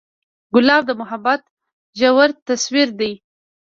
ګلاب د محبت ژور تصویر دی.